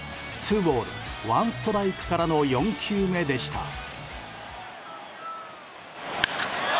ツーボールワンストライクからの４球目でした。